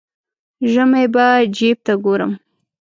ژمی به جیب ته ګورم.